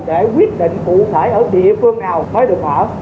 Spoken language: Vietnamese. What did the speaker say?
để quyết định cụ thể ở địa phương nào mới được mở